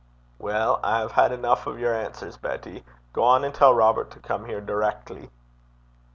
'Weel, I hae had eneuch o' yer answers, Betty. Gang and tell Robert to come here direckly.'